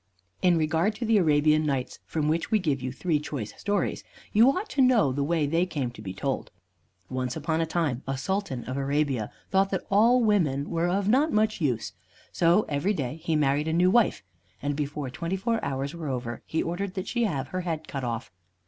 In regard to the "Arabian Nights," from which we give you three choice stories, you ought to know the way they came to be told. Once upon a time, a Sultan of Arabia thought that all women were of not much use, so every day he married a new wife, and before twenty four hours were over he ordered that she have her head cut off.